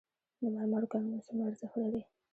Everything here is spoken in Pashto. د مرمرو کانونه څومره ارزښت لري؟